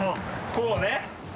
こうね。